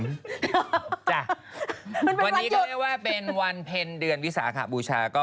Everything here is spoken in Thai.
มันเป็นวันหยุดวันนี้ก็เรียกว่าเป็นวันเพ็ญเดือนวิสัยค่ะบูชา